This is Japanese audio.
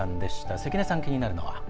関根さん、気になるのは？